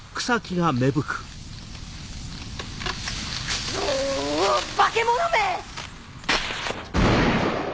クソ化け物め！